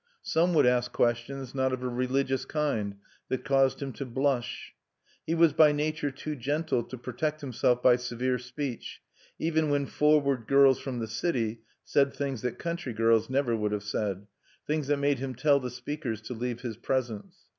Some would ask questions, not of a religious kind, that caused him to blush. He was by nature too gentle to protect himself by severe speech, even when forward girls from the city said things that country girls never would have said, things that made him tell the speakers to leave his presence.